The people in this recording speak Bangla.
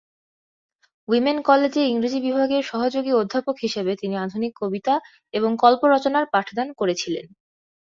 উইমেন কলেজে ইংরেজি বিভাগের সহযোগী অধ্যাপক হিসাবে তিনি আধুনিক কবিতা এবং "কল্প রচনা"র পাঠদান করেছিলেন।